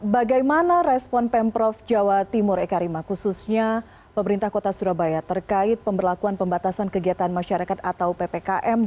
bagaimana respon pemprov jawa timur eka rima khususnya pemerintah kota surabaya terkait pemberlakuan pembatasan kegiatan masyarakat atau ppkm